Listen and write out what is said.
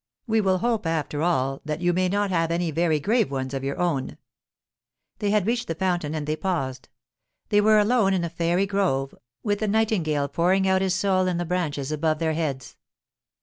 We will hope, after all, that you may not have any very grave ones of your own.' They had reached the fountain and they paused. They were alone in a fairy grove, with a nightingale pouring out his soul in the branches above their heads.